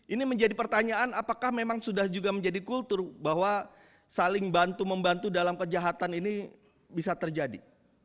ini menjadi pertanyaan apakah memang sudah juga menjadi kultur bahwa saling bantu membantu dalam kejahatan ini bisa terjadi